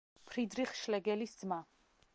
ფრიდრიხ შლეგელის ძმა.